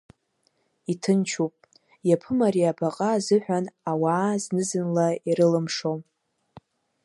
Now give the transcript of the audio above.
Иҭынчуп, иаԥым ари абаҟа азыҳәан ауаа зны-зынла ирылымшо…